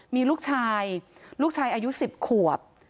มีลูกชายลูกชายอายุ๑๐ขวบ